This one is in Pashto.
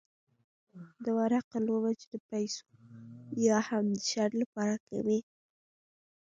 د ورقو لوبه چې د پیسو یا هم د شرط لپاره کوي.